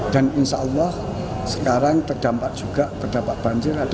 dan insya allah sekarang terdampak juga terdampak banjir